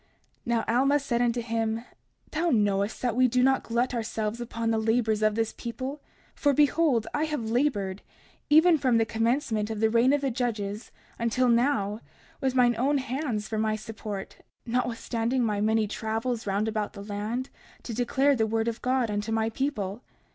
30:32 Now Alma said unto him: Thou knowest that we do not glut ourselves upon the labors of this people; for behold I have labored even from the commencement of the reign of the judges until now, with mine own hands for my support, notwithstanding my many travels round about the land to declare the word of God unto my people.